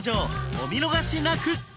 お見逃しなく！